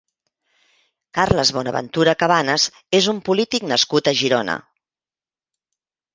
Carles Bonaventura Cabanes és un polític nascut a Girona.